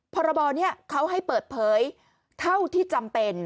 พรบนี้เขาให้เปิดเผยเท่าที่จำเป็น